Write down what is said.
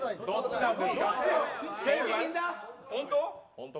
本当。